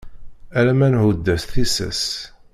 Ala ma nhudd-as tissas.